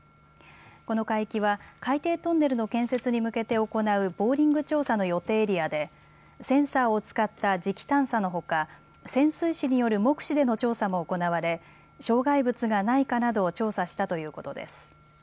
この海域は海底トンネルの建設に向けて行うボーリング調査の予定エリアでセンサーを使った磁気探査のほか潜水士による目視での調査も行われ、障害物がないかなどを調査したということです。